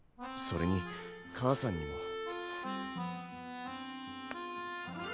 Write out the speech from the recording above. それに母さんにも。